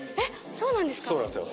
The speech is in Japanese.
そうなんですよ。